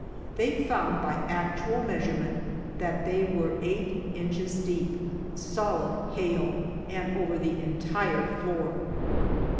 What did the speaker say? They found by actual measurement that they were eight inches deep solid hail, and over the entire floor.